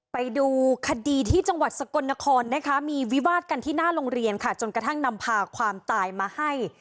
ไปดูคดีที่จังหวัดสกลนครนะคะมีวิวาดกันที่หน้าโรงเรียนค่ะจนกระทั่งนำพาความตายมาให้